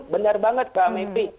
benar banget mbak mery